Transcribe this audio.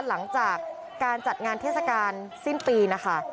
หลังจากการจัดงานเทศกาลสิ้นปีนะคะ